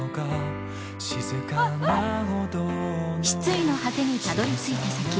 失意の果てにたどりついた先。